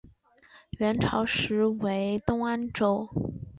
元朝时为东安州。